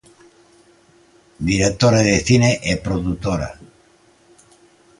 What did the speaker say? Directora de cine e produtora.